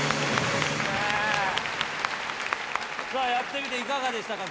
やってみていかがでしたか？